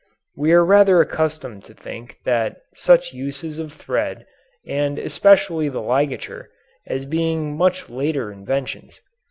We are rather accustomed to think of such uses of thread, and especially the ligature, as being much later inventions.